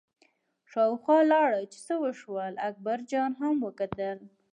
شاوخوا لاړه چې څه وشول، اکبرجان هم وکتل.